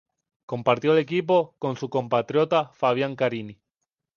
Compartió el equipo con su compatriota Fabián Carini.